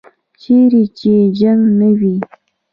چیرې چې جنګ نه وي.